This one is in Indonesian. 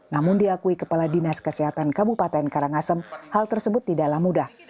namun diakui kepala dinas kesehatan kabupaten karangasem hal tersebut tidaklah mudah